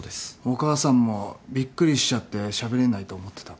お母さんもびっくりしちゃってしゃべれないと思ってたと。